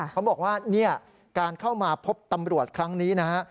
เขาบอกว่าเนี่ยการเข้ามาพบตำรวจครั้งนี้นะฮะ